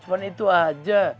cuman itu aja